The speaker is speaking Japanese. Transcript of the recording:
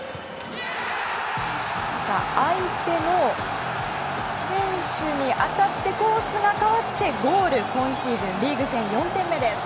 相手の選手に当たってコースが変わってゴール今シーズン、リーグ４点目です。